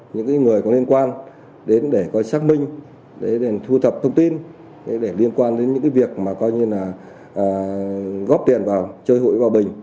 những người có liên quan đến để coi xác minh để thu thập thông tin để liên quan đến những việc góp tiền vào chơi hụi và bình